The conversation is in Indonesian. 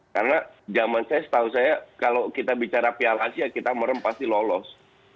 karena jaman saya setahu saya kalau kita bicara piala asia kita merem pasti lolos